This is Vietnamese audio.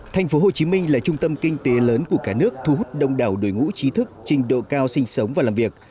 thành phố hồ chí minh là trung tâm kinh tế lớn của cả nước thu hút đông đảo đối ngũ trí thức trình độ cao sinh sống và làm việc